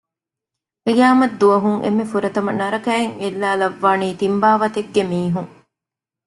ޤިޔާމަތްދުވަހުން އެންމެ ފުރަތަމަ ނަރަކައަށް އެއްލައިލައްވާނީ ތިން ބާވަތެއްގެ މީހުން